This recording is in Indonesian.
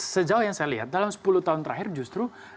sejauh yang saya lihat dalam sepuluh tahun terakhir justru